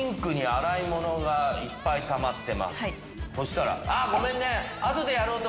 そしたら。